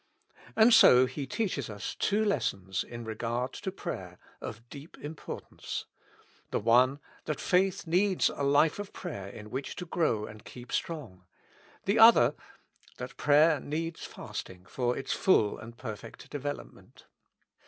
And so He teaches us two lessons in regard to prayer of deep importance. The one, that faith needs a life of prayer in which to grow and keep strong. The other, that prayer needs fasting for its full and perfect development.